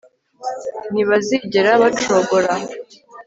Ntibazigera bacogora